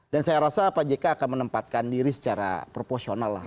dan saya rasa pak jk akan menempatkan diri secara proporsional lah